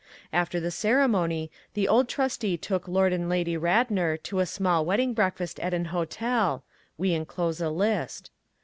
After the ceremony the old trustee took Lord and Lady Radnor to a small wedding breakfast at an hotel (we enclose a list).